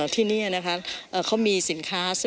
ที่นี่นะคะเขามีสินค้า